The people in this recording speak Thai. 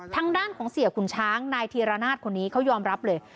ทางด้านของเสียขุนช้างนายธีรนาศคนนี้เขายอมรับเลย